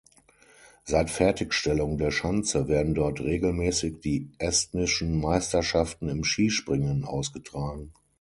Seit Fertigstellung der Schanze werden dort regelmäßig die estnischen Meisterschaften im Skispringen ausgetragen.